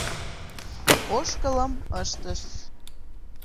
Ошкылым ыштышт.